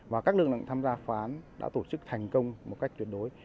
và các lực lượng tham gia phán đã tổ chức thành công một cách tuyệt đối